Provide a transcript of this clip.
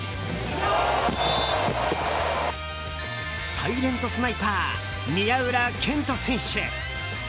サイレントスナイパー宮浦健人選手。